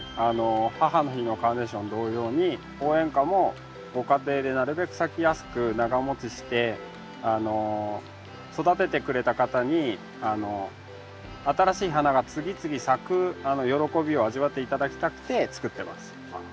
母の日のカーネーション同様に応援花もご家庭でなるべく咲きやすく長もちして育ててくれた方に新しい花が次々咲く喜びを味わって頂きたくてつくってます。